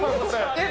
えっ？